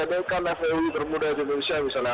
ada kan fwi termuda di indonesia misalnya